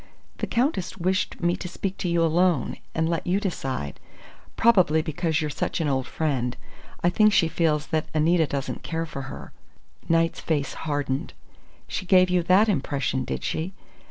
"The Countess wished me to speak to you alone, and let you decide. Probably because you're such an old friend. I think she feels that Anita doesn't care for her." Knight's face hardened. "She gave you that impression, did she?